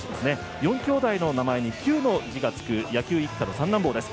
４兄弟の名前に「球」の数がつく野球一家の三男坊です。